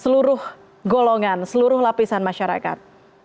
seluruh golongan seluruh lapisan masyarakat